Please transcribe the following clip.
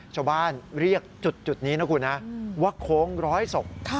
ชาวบ้านเรียกจุดนี้นะคุณนะว่าโค้งร้อยศพ